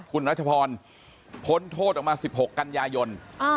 คุณรัชพรพ้นโทษออกมา๑๖กันยายน